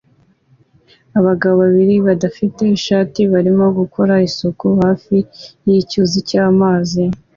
Abagabo babiri badafite ishati barimo gukora isuku hafi yicyuzi cyamazi